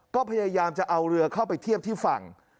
ก็พยายามจะเอาเรือเข้าไปเทียบที่ฝั่ง